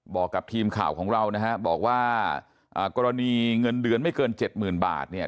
บอกกับทีมข่าวของเรานะฮะบอกว่ากรณีเงินเดือนไม่เกินเจ็ดหมื่นบาทเนี่ย